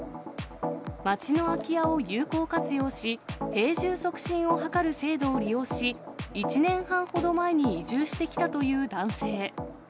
町の空き家を有効活用し、定住促進を図る制度を利用し、１年半ほど前に移住してきたという男性。